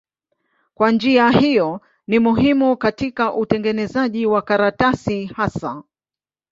Kwa njia hiyo ni muhimu katika utengenezaji wa karatasi hasa.